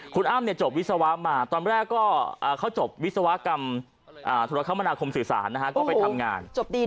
คุณอ้ำจบวิศวะมาตอนแรกก็เขาจบวิศวกรรมธุรกรรมนาคมสื่อสารนะฮะก็ไปทำงาน